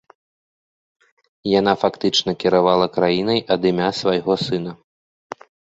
Яна фактычна кіравала краінай ад імя свайго сына.